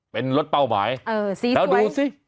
มันรถเป้าหมายเออสีสวยแต่ดูสิ